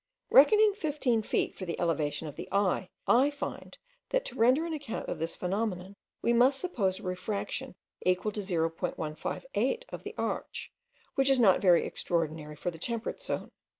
Reckoning fifteen feet for the elevation of the eye, I find, that to render an account of this phenomenon, we must suppose a refraction equal to 0.158 of the arch, which is not very extraordinary for the temperate zone.